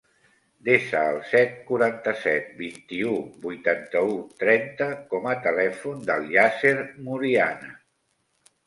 Desa el set, quaranta-set, vint-i-u, vuitanta-u, trenta com a telèfon del Yasser Muriana.